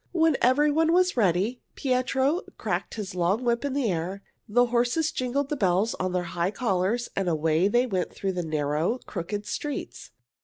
When everyone was ready, Pietro cracked his long whip in the air, the horses jingled the bells on their high collars, and away they went through the narrow, crooked streets.